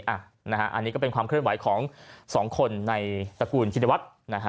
อันนี้ก็เป็นความเคลื่อนไหวของ๒คนในตระกูลชินวัฒน์